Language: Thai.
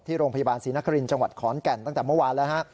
โรงพยาบาลศรีนครินทร์จังหวัดขอนแก่นตั้งแต่เมื่อวานแล้วฮะ